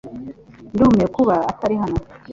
Ndumiwe kuba atari hano